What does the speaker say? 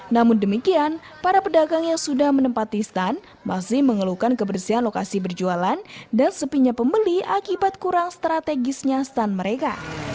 namun demikian para pedagang yang sudah menempati stand masih mengeluhkan kebersihan lokasi berjualan dan sepinya pembeli akibat kurang strategisnya stand mereka